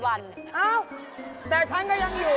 เอ้าแต่ฉันก็ยังอยู่